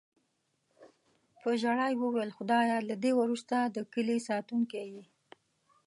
په ژړا یې وویل: "خدایه، له دې وروسته د کیلي ساتونکی یې".